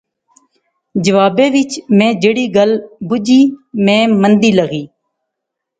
جوابے وچ میں جہیڑی گل بجی میں مندی لغی